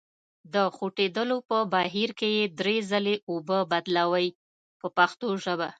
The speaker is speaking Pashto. د خوټېدلو په بهیر کې یې درې ځلې اوبه بدلوئ په پښتو ژبه.